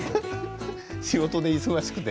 仕事で忙しくて。